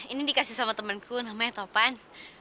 ini dikasih sama temenku namanya topan